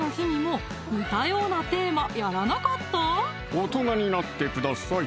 大人になってください